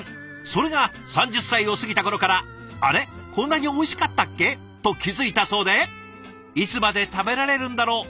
それが３０歳を過ぎた頃から「あれ？こんなにおいしかったっけ？」と気付いたそうでいつまで食べられるんだろう